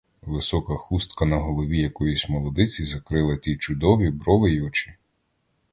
Висока хустка на голові якоїсь молодиці закрила ті чудові брови й очі.